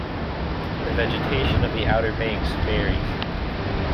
The vegetation of the Outer Banks varies.